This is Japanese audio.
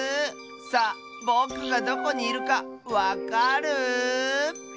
さあぼくがどこにいるかわかる？